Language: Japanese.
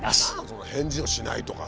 その返事をしないとかさ。